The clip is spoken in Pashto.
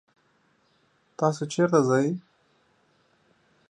تاسو چرته ځئ؟